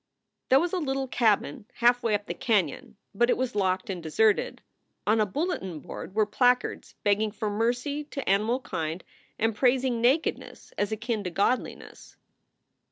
There was a little cabin halfway up the canon, but it was locked and deserted. On a bulletin board were placards begging for mercy to animalkind and praising nakedness as akin to godliness.